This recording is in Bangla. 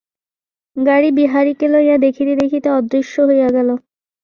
গাড়ি বিহারীকে লইয়া দেখিতে দেখিতে অদৃশ্য হইয়া গেল।